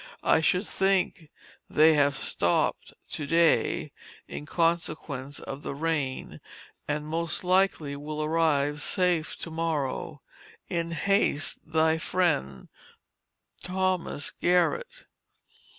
I should think they have stopped to day, in consequence of the rain, and most likely will arrive safe to morrow. In haste, thy friend, THOS. GARRETT.